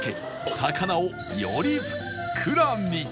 魚をよりふっくらに